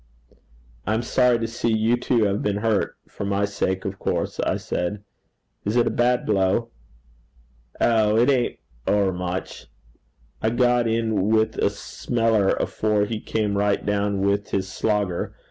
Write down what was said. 'I am sorry to see you too have been hurt for my sake, of course,' I said. 'Is it a bad blow?' 'Oh! it ain't over much. I got in with a smeller afore he came right down with his slogger.